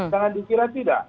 jangan dikira tidak